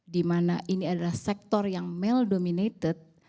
di mana ini adalah sektor yang male dominated